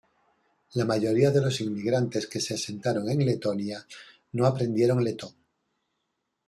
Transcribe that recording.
La mayoría de los inmigrantes que se asentaron en Letonia no aprendieron letón.